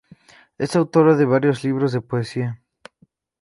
Es autora de varios libros de poesía.